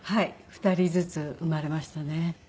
２人ずつ生まれましたね。